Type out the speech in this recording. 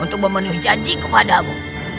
untuk memenuhi janji kepadamu